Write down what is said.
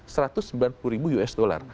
seratus sembilan puluh ribu us dollar